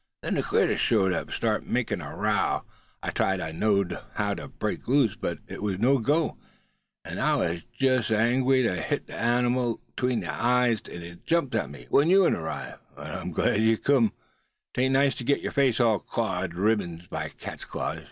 Then the critter showed up, and started makin' a row. I tried all I knowed how to break loose, but it was no go. An' I was jest agwine to hit the animal atween the eyes if it jumped me, when you uns arriv. But I'm glad ye kim. 'Tain't nice to git yuh face all clawed to ribbands by cat's claws.